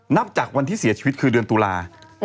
นับจากวันที่เสียชีวิตคือเดือนตุลา